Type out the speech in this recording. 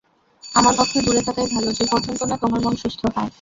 আমার পক্ষে দূরে থাকাই ভালো, যে পর্যন্ত না তোমার মন সুস্থ হয়।